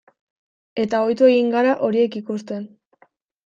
Eta ohitu egin gara horiek ikusten.